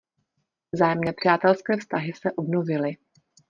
Vzájemné přátelské vztahy se obnovily.